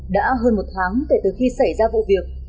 đã hơn một tháng kể từ khi xảy ra vụ việc